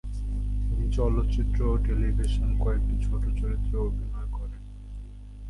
তিনি চলচ্চিত্র ও টেলিভিশনে কয়েকটি ছোট চরিত্রে অভিনয় করেন।